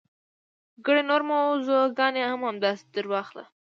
ګڼې نورې موضوع ګانې هم همداسې درواخله.